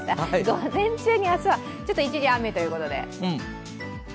午前中に明日は一時雨ということで？